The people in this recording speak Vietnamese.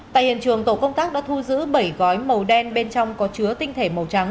tại hiện trường tổ công tác đã thu giữ bảy gói màu đen bên trong có chứa tinh thể màu trắng